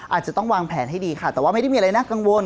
อาจจะต้องวางแผนให้ดีค่ะแต่ว่าไม่ได้มีอะไรน่ากังวล